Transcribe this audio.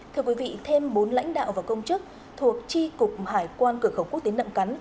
thưa quý vị thêm bốn lãnh đạo và công chức thuộc tri cục hải quan cửa khẩu quốc tế nậm cắn